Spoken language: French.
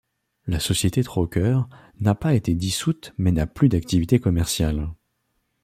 La société Trokers n'a pas été dissoute mais n'a plus d'activité commerciale.